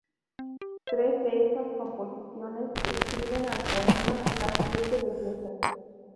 Tres de estas composiciones describen a la poema "Las siete bellezas".